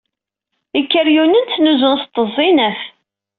Ikeryunen ttnuzun s tteẓẓinat.